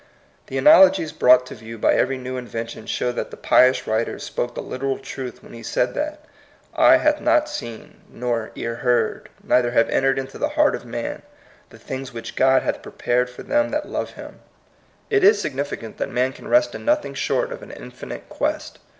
The analogies brought to view by every new invention show that the pious writer spoke the literal truth when he said that, '^Eye hath not seen, nor ear heard, neither have entered into the heart of man, the things which God hath prepared for them that love him.'' THE POINT OF VIEW. 78 It is significant that man can rest in nothing short of an infinite qnest.